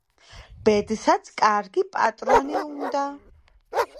ბედსაც კარგი პატრონი უნდა